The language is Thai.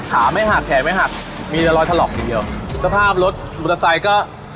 ขาไม่หักแขนไม่หักมีแต่รอยถลอกทีเดียวสภาพรถมอเตอร์ไซค์ก็